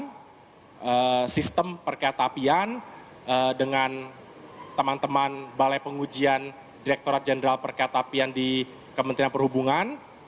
kami sedang mengejar sistem perkehatapian dengan teman teman balai pengujian direkturat jenderal perkehatapian di kementerian perhubungan